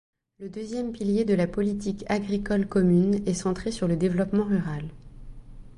Le deuxième pilier de la politique agricole commune est centré sur le développement rural.